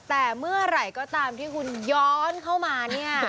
แต่เมื่อไหร่ก็ตามที่คุณย้อนเข้ามาเนี่ย